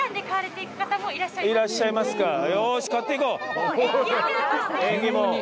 いらっしゃいますか。